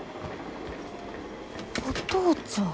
お父ちゃん。